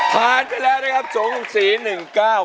ผ่านไปแล้วนะครับสวรรค์สี๑๙๙๒นะฮะ